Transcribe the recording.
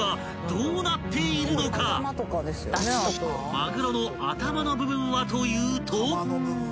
［まぐろの頭の部分はというと］